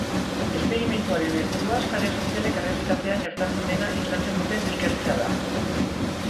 Esperimentuaren helburua sare sozialek errealitatean gertatzen dena islatzen duten ikertzea da.